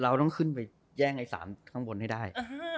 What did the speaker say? เราต้องขึ้นไปแย่งไอ้๓ข้างบนให้ได้